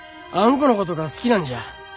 このことが好きなんじゃ。